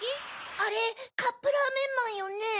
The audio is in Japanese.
あれカップラーメンマンよね？